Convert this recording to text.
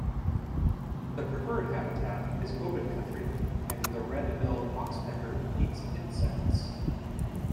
The preferred habitat is open country, and the red-billed oxpecker eats insects.